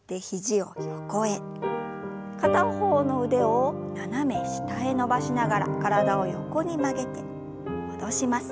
片方の腕を斜め下へ伸ばしながら体を横に曲げて戻します。